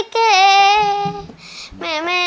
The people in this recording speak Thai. ครับ